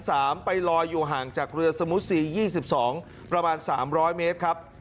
ตามไปลอยอยู่ห่างจากเรือสมุสี๒๒ประมาณ๓๐๐เมตรครับ